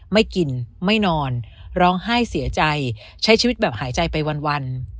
ไม่กินไม่นอนร้องไห้เสียใจใช้ชีวิตแบบหายใจไปวัน